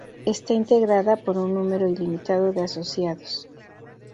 Está integrada por un número ilimitado de asociados.